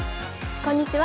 こんにちは。